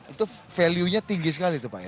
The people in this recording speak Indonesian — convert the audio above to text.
itu value nya tinggi sekali tuh pak ya